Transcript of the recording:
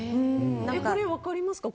それ分かりますか？